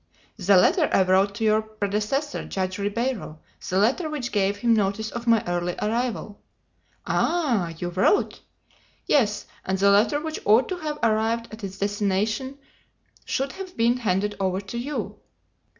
"The letter I wrote to your predecessor, Judge Ribeiro, the letter which gave him notice of my early arrival." "Ah! you wrote?" "Yes. And the letter which ought to have arrived at its destination should have been handed over to you."